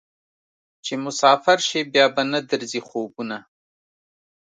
چې مسافر شې بیا به نه درځي خوبونه